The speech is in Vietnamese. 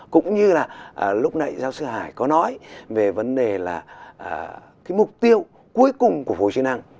cũng như là lúc nãy giáo sư hải có nói về vấn đề là cái mục tiêu cuối cùng của phù hồi chức năng